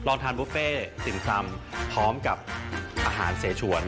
ทานบุฟเฟ่ติ่มซำพร้อมกับอาหารเสชวน